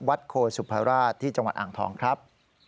โคสุภาราชที่จังหวัดอ่างทองครับ